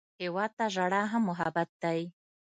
هېواد ته ژړا هم محبت دی